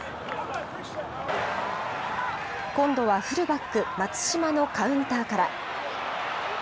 今度はフルバック、松島のカウンターから。